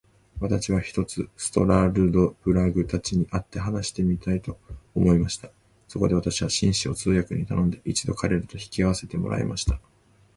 私は、ひとつストラルドブラグたちに会って話してみたいと思いました。そこで私は、紳士を通訳に頼んで、一度彼等と引き合せてもらいました。